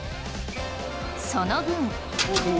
その分。